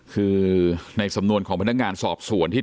คือในสำนวนของพนักงานสอบสวนที่